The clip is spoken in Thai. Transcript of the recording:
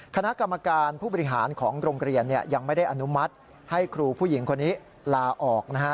คณะกรรมการผู้บริหารของโรงเรียนยังไม่ได้อนุมัติให้ครูผู้หญิงคนนี้ลาออกนะฮะ